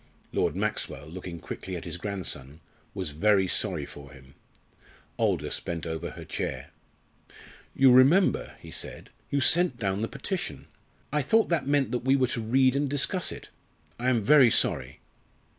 Lord Maxwell, looking quickly at his grandson, was very sorry for him. Aldous bent over her chair. "You remember," he said, "you sent down the petition. I thought that meant that we were to read and discuss it. I am very sorry."